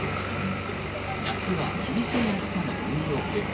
夏は厳しい暑さのニューヨーク。